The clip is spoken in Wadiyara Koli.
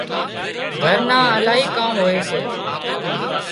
گھر نان الاهي ڪام هوئي سي